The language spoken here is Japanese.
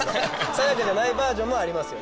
・さわやかじゃないバージョンもありますよね